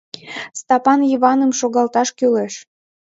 — Стапан Йываным шогалташ кӱлеш.